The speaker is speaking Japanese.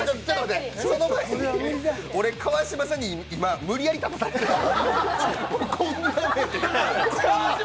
その前に、俺、川島さんに今、無理やり立たされたんや。